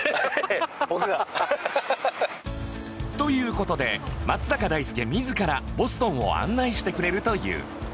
という事で松坂大輔自らボストンを案内してくれるという